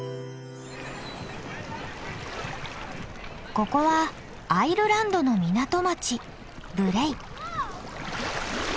ここはアイルランドの港町ブレイ。